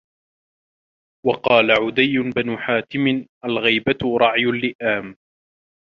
وَقَالَ عَدِيُّ بْنُ حَاتِمٍ الْغِيبَةُ رَعْيُ اللِّئَامِ